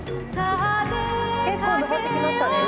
結構上ってきましたね。